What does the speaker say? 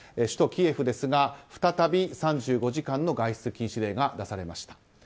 首都キエフですが再び３５時間の外出禁止令が出されました。